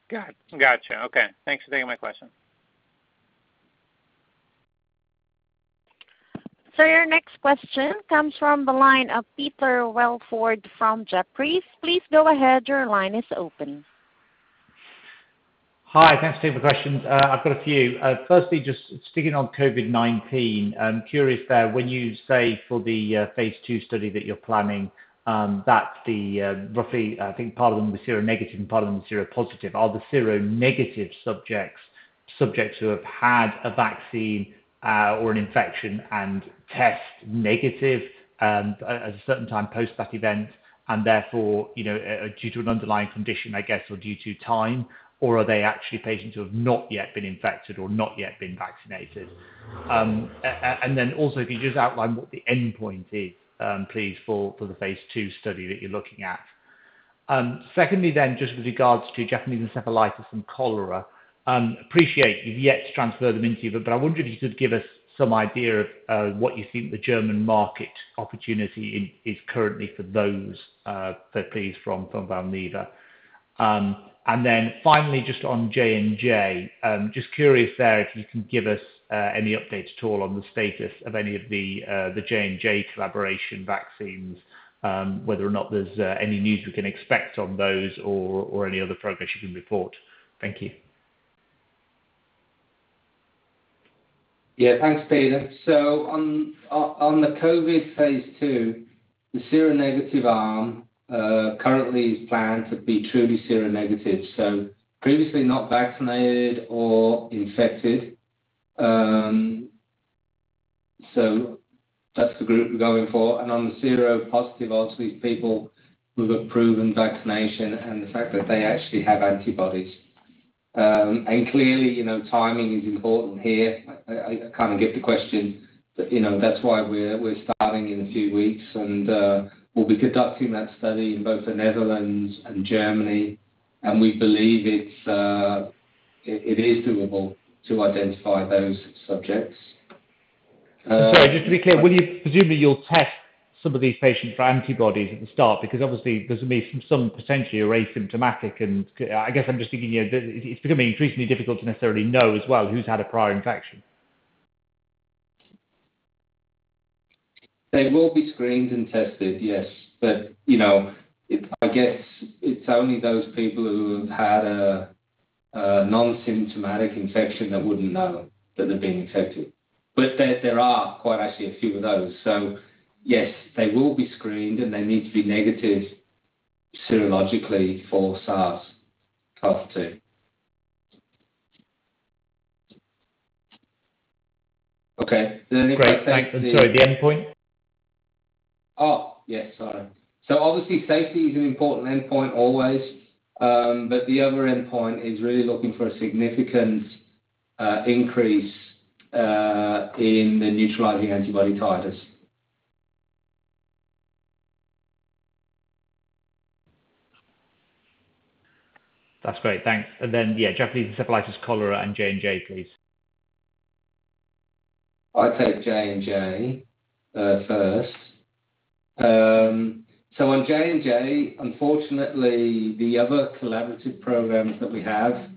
Got you. Okay. Thanks for taking my question. Sir, your next question comes from the line of Peter Welford from Jefferies. Please go ahead. Your line is open. Hi. Thanks for taking the questions. I've got a few. Just sticking on COVID-19. I'm curious there, when you say for the phase II study that you're planning, that the roughly, I think part of them are seronegative and part of them are seropositive. Are the seronegative subjects who have had a vaccine or an infection and test negative at a certain time post that event and therefore, due to an underlying condition, I guess, or due to time, or are they actually patients who have not yet been infected or not yet been vaccinated? Also, if you could just outline what the endpoint is, please, for the phase II study that you're looking at. Just with regards to Japanese encephalitis and cholera. Appreciate you've yet to transfer them into it, but I wonder if you could give us some idea of what you think the German market opportunity is currently for those, please, from Valneva. Then finally, just on J&J. Just curious there if you can give us any updates at all on the status of any of the J&J collaboration vaccines, whether or not there's any news we can expect on those or any other progress you can report. Thank you. Thanks, Peter. On the COVID phase II, the seronegative arm currently is planned to be truly seronegative, so previously not vaccinated or infected. That's the group we're going for. On the seropositive arm, so these are people who have proven vaccination and the fact that they actually have antibodies. Clearly, timing is important here. I kind of get the question, that's why we're starting in a few weeks, and we'll be conducting that study in both the Netherlands and Germany, and we believe it is doable to identify those subjects. Sorry, just to be clear, presumably you will test some of these patients for antibodies at the start, because obviously there is some potentially are asymptomatic, and I guess I am just thinking it is going to be increasingly difficult to necessarily know as well who has had a prior infection. They will be screened and tested, yes. I guess it's only those people who have had a non-symptomatic infection that wouldn't know that they've been infected. There are quite actually a few of those. Yes, they will be screened, and they need to be negative serologically for SARS-CoV-2. Okay. Great. The endpoint? Oh, yes. Sorry. Obviously safety is an important endpoint always. The other endpoint is really looking for a significant increase in the neutralizing antibody titers. That's great. Thanks. Yeah, Japanese encephalitis, cholera, and J&J, please. I'll take J&J first. On J&J, unfortunately, the other collaborative programs that we have,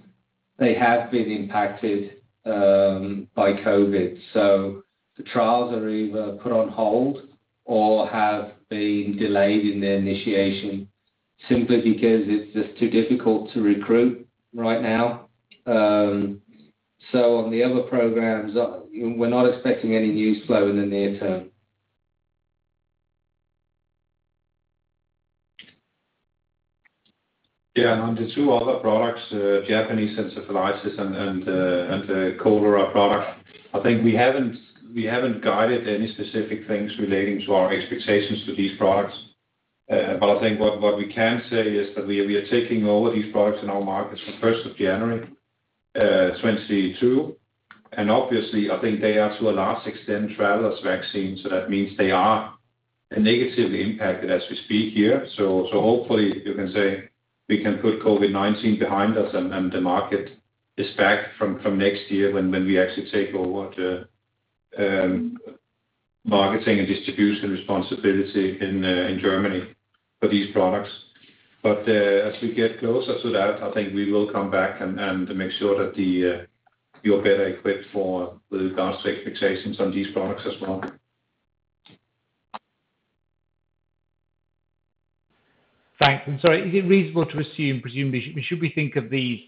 they have been impacted by COVID. The trials are either put on hold or have been delayed in their initiation simply because it's just too difficult to recruit right now. On the other programs, we're not expecting any news flow in the near term. On the two other products, Japanese encephalitis and the cholera product, I think we haven't guided any specific things relating to our expectations for these products. I think what we can say is that we are taking over these products in our markets from first of January 2022, and obviously, I think they are to a large extent travelers' vaccines, so that means they are negatively impacted as we speak here. Hopefully, you can say we can put COVID-19 behind us and the market is back from next year when we actually take over the marketing and distribution responsibility in Germany for these products. As we get closer to that, I think we will come back and make sure that you're better equipped for the forecast expectations on these products as well. Thanks, is it reasonable to assume, presumably, should we think of these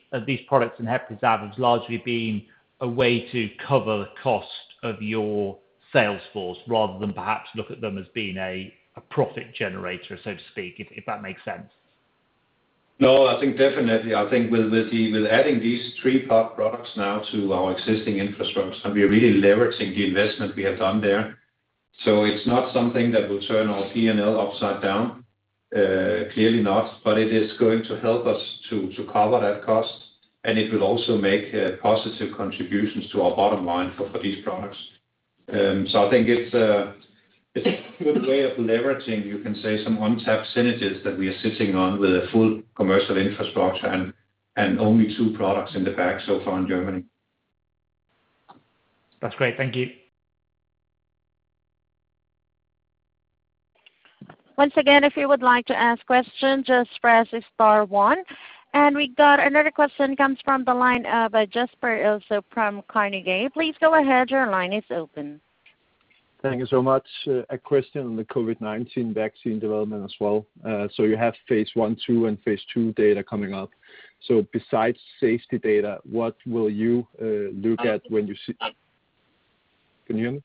products in HEPLISAV-B as largely being a way to cover the cost of your sales force rather than perhaps look at them as being a profit generator, so to speak, if that makes sense? I think definitely. I think with adding these three products now to our existing infrastructure, we're really leveraging the investment we have done there. It's not something that will turn our P&L upside down. Clearly not, it is going to help us to cover that cost, and it will also make positive contributions to our bottom line for these products. I think it's a good way of leveraging, you can say, some untapped synergies that we are sitting on with a full commercial infrastructure and only two products in the bag so far in Germany. That's great. Thank you. Once again, if you would like to ask questions, just press star one. We've got another question comes from the line of Jesper Ilsøe from Carnegie. Please go ahead, your line is open. Thank you so much. A question on the COVID-19 vaccine development as well. You have phase I/II and phase II data coming up. Besides safety data, what will you look at when you see? Can you hear me?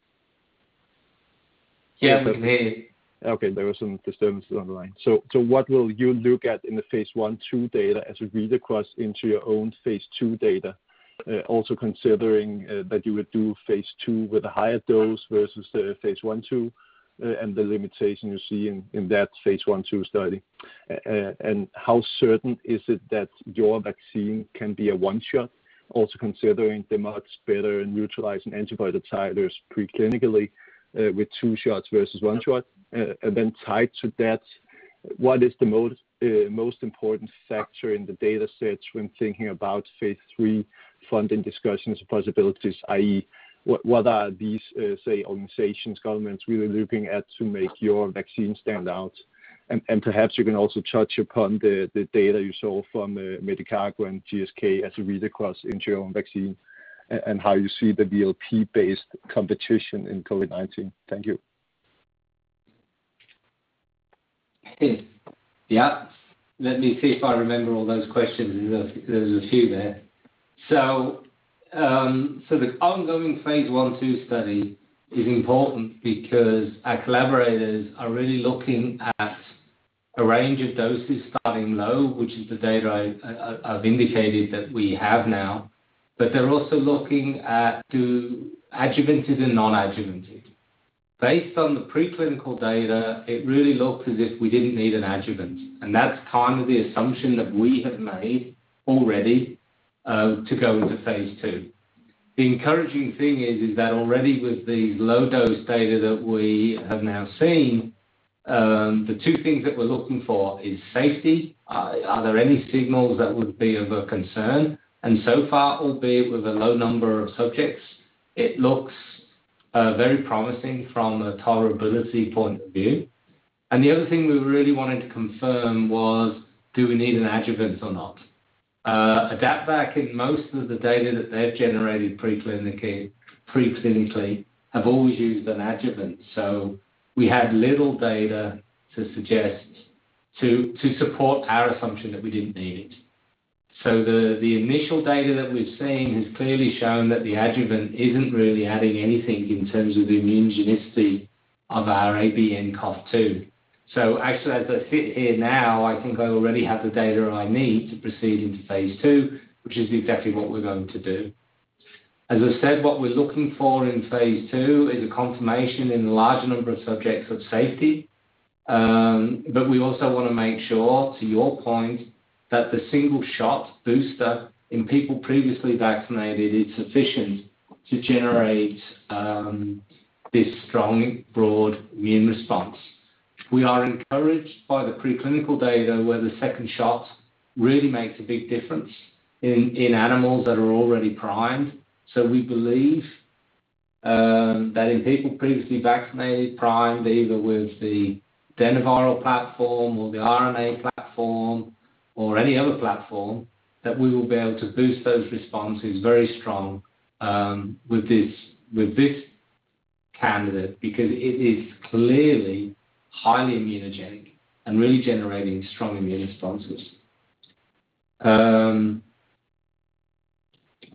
Yeah, we can hear you. Okay, there was some disturbances on the line. What will you look at in the phase I/II data as you read across into your own phase II data? Also considering that you would do a phase II with a higher dose versus the phase I/II and the limitation you see in that phase I/II study. How certain is it that your vaccine can be a one-shot, also considering the much better neutralizing antibody titers pre-clinically with two shots versus one shot? Tied to that, what is the most important factor in the data sets when thinking about phase III funding discussions and possibilities, i.e., what are these, say, organizations, governments we are looking at to make your vaccine stand out? Perhaps you can also touch upon the data you saw from Medicago and GSK as a read across into your own vaccine, and how you see the VLP-based competition in COVID-19. Thank you. Yeah. Let me see if I remember all those questions, there was a few there. The ongoing phase I/II study is important because our collaborators are really looking at a range of doses starting low, which is the data I've indicated that we have now. They're also looking at adjuvanted and non-adjuvanted. Based on the preclinical data, it really looked as if we didn't need an adjuvant. That's kind of the assumption that we have made already, to go into phase II. The encouraging thing is that already with the low-dose data that we have now seen, the two things that we're looking for is safety. Are there any signals that would be of a concern? So far, albeit with a low number of subjects, it looks very promising from a tolerability point of view. The other thing we really wanted to confirm was, do we need an adjuvant or not? AdaptVac in most of the data that they've generated preclinically have always used an adjuvant. We had little data to support our assumption that we didn't need it. The initial data that we've seen has clearly shown that the adjuvant isn't really adding anything in terms of the immunogenicity of our ABNCoV2. Actually, as I sit here now, I think I already have the data I need to proceed into phase II, which is exactly what we're going to do. As I said, what we're looking for in phase II is a confirmation in the large number of subjects of safety. We also wanna make sure, to your point, that the single-shot booster in people previously vaccinated is sufficient to generate this strong, broad immune response. We are encouraged by the preclinical data where the second shot really makes a big difference in animals that are already primed. We believe that in people previously vaccinated, primed either with the adenoviral platform or the RNA platform or any other platform, that we will be able to boost those responses very strong with this candidate, because it is clearly highly immunogenic and really generating strong immune responses. I'm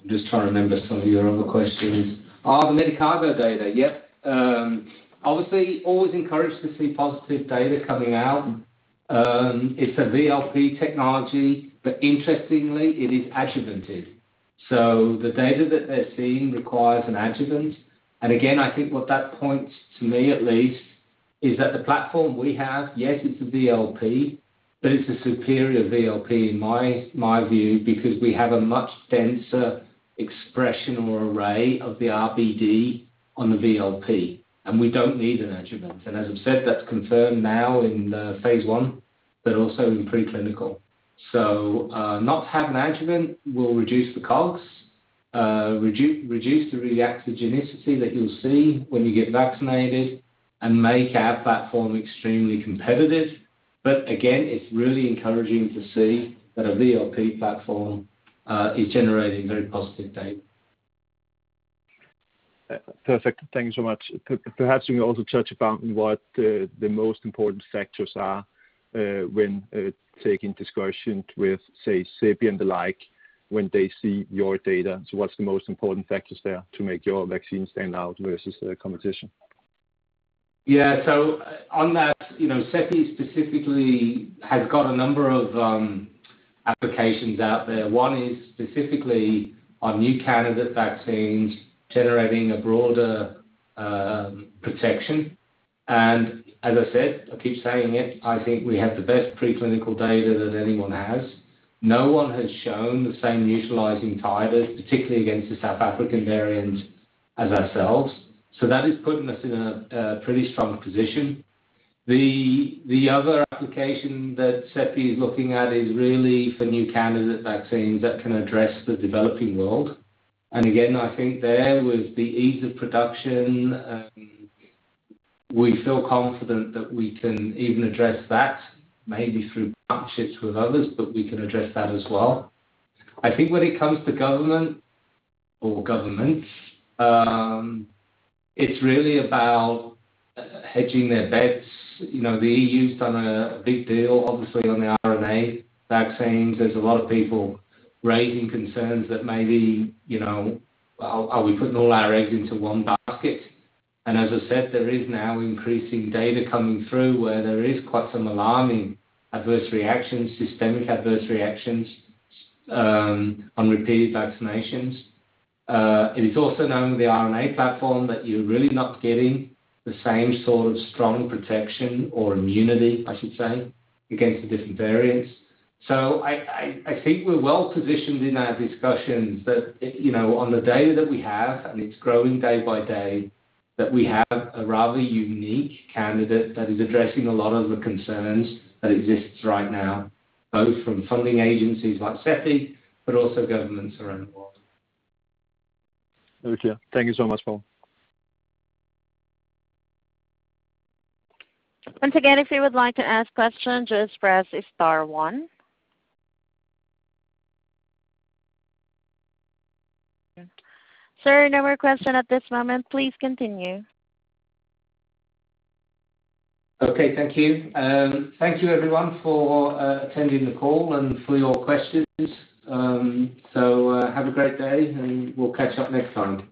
just trying to remember some of your other questions. The Medicago data. Yep. Obviously, always encouraged to see positive data coming out. It's a VLP technology, but interestingly, it is adjuvanted. The data that they're seeing requires an adjuvant. Again, I think what that points to me at least, is that the platform we have, yes, it's a VLP, but it's a superior VLP in my view, because we have a much denser expression or array of the RBD on the VLP, and we don't need an adjuvant. As I've said, that's confirmed now in the phase I, but also in preclinical. Not having adjuvant will reduce the COGS, reduce the reactogenicity that you'll see when you get vaccinated and make our platform extremely competitive. Again, it's really encouraging to see that a VLP platform is generating very positive data. Perfect. Thank you so much. Perhaps you can also touch upon what the most important factors are when taking discussions with, say, CEPI and the like, when they see your data. What's the most important factors there to make your vaccine stand out versus the competition? Yeah. On that, CEPI specifically has got a number of applications out there. One is specifically on new candidate vaccines generating a broader protection. As I said, I keep saying it, I think we have the best preclinical data that anyone has. No one has shown the same neutralizing titers, particularly against the South African variant, as ourselves. That is putting us in a pretty strong position. The other application that CEPI is looking at is really for new candidate vaccines that can address the developing world. Again, I think there with the ease of production, we feel confident that we can even address that, maybe through partnerships with others, but we can address that as well. I think when it comes to government or governments, it's really about hedging their bets. The EU's done a big deal, obviously, on the RNA vaccines. There's a lot of people raising concerns that maybe, are we putting all our eggs into one basket? As I said, there is now increasing data coming through where there is quite some alarming adverse reactions, systemic adverse reactions on repeated vaccinations. It is also known with the RNA platform that you're really not getting the same sort of strong protection or immunity, I should say, against the different variants. I think we're well-positioned in our discussions that on the data that we have, and it's growing day by day, that we have a rather unique candidate that is addressing a lot of the concerns that exists right now, both from funding agencies like CEPI, but also governments around the world. Thank you. Thank you so much, Paul. Once again, if you would like to ask questions, just press star one. Sir, no more question at this moment. Please continue. Okay. Thank you. Thank you everyone for attending the call and for your questions. Have a great day, and we'll catch up next time.